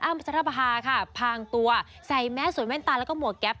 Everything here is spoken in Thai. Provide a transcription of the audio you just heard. พัชรปภาค่ะพางตัวใส่แมสสวยแว่นตาแล้วก็หมวกแก๊ป